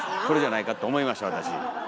これじゃないかって思いました私。